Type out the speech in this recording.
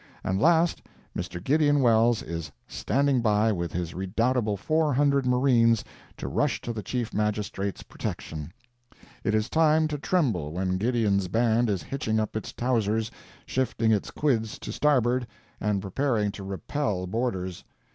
And last, Mr. Gideon Welles is "standing by" with his redoubtable four hundred marines to rush to the Chief Magistrate's protection. It is time to tremble when Gideon's Band is hitching up its towsers, shifting its quids to starboard, and preparing to repel boarders!